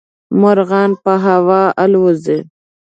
مرغان په هوا الوزي.